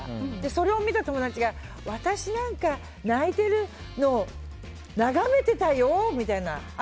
それを見た友達が私なんか、泣いてるの眺めてたよみたいな。